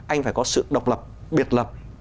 anh phải có sự độc lập biệt lập